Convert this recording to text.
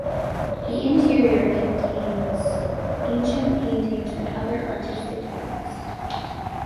The interior contains ancient paintings and other artistic works.